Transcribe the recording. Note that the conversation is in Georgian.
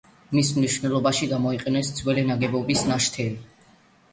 მის მშენებლობაში გამოიყენეს ძველი ნაგებობის ნაშთები.